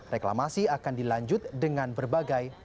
reklamasi akan diberikan oleh pertemuan pertemuan pertemuan